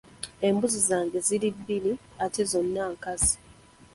Embuzi zange ziri bbiri ate zonna nkazi.